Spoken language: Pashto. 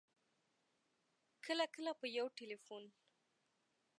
کله کله په یو ټېلفون